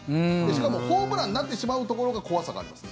しかもホームランなってしまうところが怖さがあります。